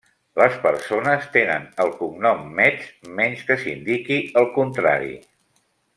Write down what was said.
Les persones tenen el cognom Metz menys que s'indiqui el contrari.